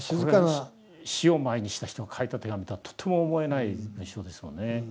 これが死を前にした人が書いた手紙とはとても思えない密書ですもんね。